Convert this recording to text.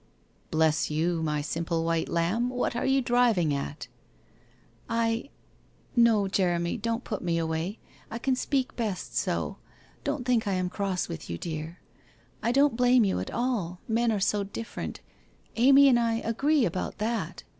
' Bless you, my simple white lamb, what are you driv ing at ?'' I — no, Jeremy, don't put me away, I can speak best so. Don't think I am cross with you, dear. I don't blame WHITE ROSE OF WEARY LEAF 219 you at all — men are so different. Amy and I agree about that.